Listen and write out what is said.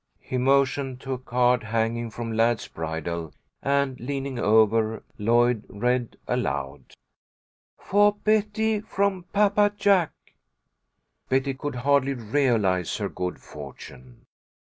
He motioned to a card hanging from Lad's bridle, and, leaning over, Lloyd read aloud, "For Betty from Papa Jack." Betty could hardly realise her good fortune.